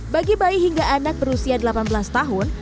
bagi bayi hingga anak berusia delapan belas tahun